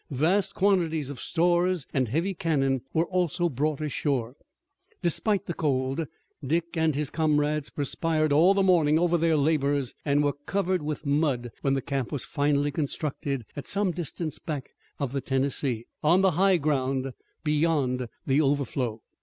Vast quantities of stores and heavy cannon were also brought ashore. Despite the cold, Dick and his comrades perspired all the morning over their labors and were covered with mud when the camp was finally constructed at some distance back of the Tennessee, on the high ground beyond the overflow.